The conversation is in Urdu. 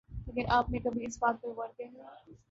لیکن آپ نے کبھی اس بات پر غور کیا ہے